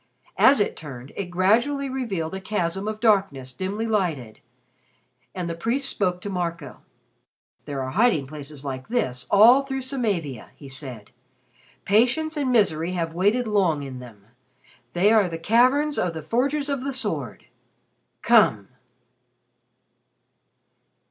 As it turned, it gradually revealed a chasm of darkness dimly lighted, and the priest spoke to Marco. "There are hiding places like this all through Samavia," he said. "Patience and misery have waited long in them. They are the caverns of the Forgers of the Sword. Come!"